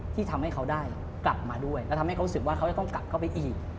ที่ทำให้เขาได้กลับมาด้วยแล้วทำให้เขารู้สึกว่าเขาจะต้องกลับเข้าไปอีก